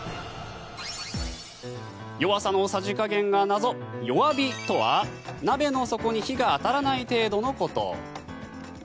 弱さのさじ加減が謎弱火とは鍋の底に火が当たらない程度のこと。